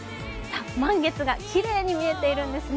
満月がきれいに見えているんですね。